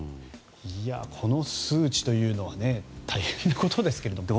この数値というのは大変なことですけれども。